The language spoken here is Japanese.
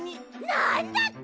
なんだって！？